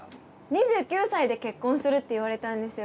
２９歳で結婚するって言われたんですよ。